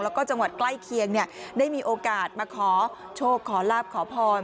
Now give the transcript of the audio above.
แล้วก็จังหวัดใกล้เคียงได้มีโอกาสมาขอโชคขอลาบขอพร